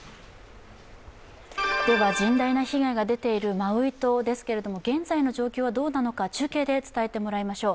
では、甚大な被害が出ているマウイ島ですけれども現在の状況はどうなのか中継で伝えてもらいましょう。